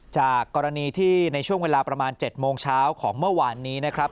จากกรณีที่ในช่วงเวลาประมาณ๗โมงเช้าของเมื่อวานนี้นะครับ